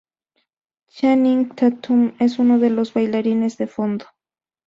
Channing Tatum es un de los bailarines de fondo.